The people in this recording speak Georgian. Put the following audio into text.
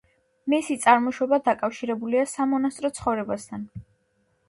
მისი წარმოშობა დაკავშირებულია სამონასტრო ცხოვრებასთან.